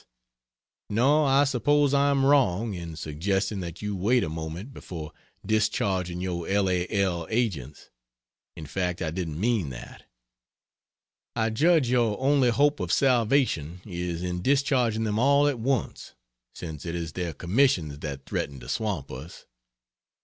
No, I suppose I am wrong in suggesting that you wait a moment before discharging your L. A. L. agents in fact I didn't mean that. I judge your only hope of salvation is in discharging them all at once, since it is their commissions that threaten to swamp us.